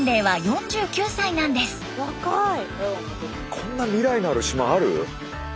こんな未来のある島ある？